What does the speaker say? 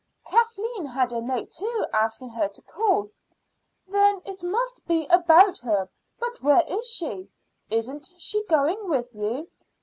"Kathleen had a note too, asking her to call." "Then it must be about her. But where is she? Isn't she going with you?"